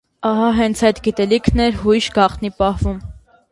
Ահա, հենց ա՛յդ գիտելիքն էր հույժ գաղտնի պահվում։